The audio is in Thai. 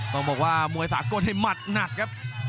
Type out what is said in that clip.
ต้องบอกว่ามวยสากลนี่หมัดหนักครับ